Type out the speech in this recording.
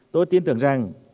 tôi tin tưởng rằng